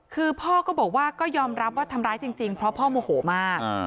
คือพ่อก็บอกว่าก็ยอมรับว่าทำร้ายจริงเพราะพ่อโมโหมาก